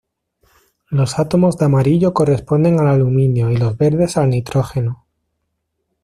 Los átomos de amarillo corresponden al aluminio y los verdes al nitrógeno.